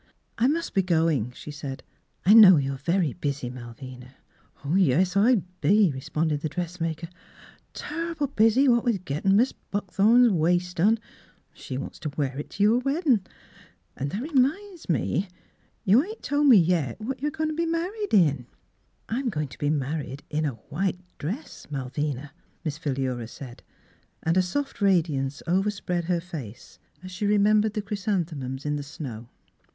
" I must be going," she said, " I know you are very busy, Malvina." " Yes ; I be," responded the dress maker, "— turrible busy, what with get tin' Mis' Buckthorn's waist done — she wants it to wear t' your weddin'. An' that reminds me, you ain't told me yet what you're goin' t' be married in." " I'm going to be married in a white dress, Malvina," Miss Philura said, and a soft radiance overspread her face, as she remembered the chrysanthemums in the snow.